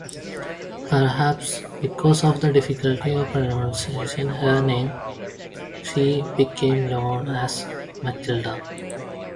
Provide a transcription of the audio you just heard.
Perhaps because of the difficulty of pronouncing her name, she became known as Matilda.